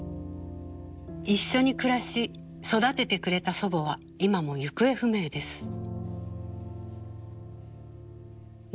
一緒に暮らし育ててくれた祖母は今も行方不明です。